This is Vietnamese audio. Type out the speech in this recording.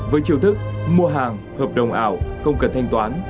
với chiều thức mua hàng hợp đồng ảo không cần thanh toán